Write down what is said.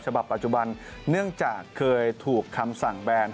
ปัจจุบันเนื่องจากเคยถูกคำสั่งแบน